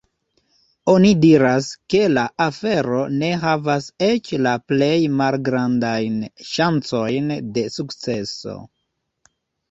Oni diras, ke la afero ne havas eĉ la plej malgrandajn ŝancojn de sukceso.